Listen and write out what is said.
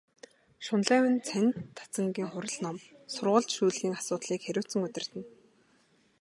Шунлайв нь цанид дацангийн хурал ном, сургалт шүүлгийн асуудлыг хариуцан удирдана.